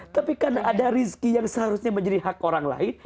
tapi karena ada rizki yang seharusnya menjadi hak orang lain